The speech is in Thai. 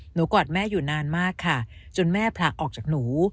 กอดแม่อยู่นานมากค่ะจนแม่ผลักออกจากหนู